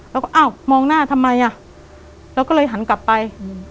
แล้วก็อ้าวมองหน้าทำไมอ่ะเราก็เลยหันกลับไป